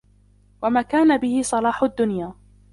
وَمَا كَانَ بِهِ صَلَاحُ الدُّنْيَا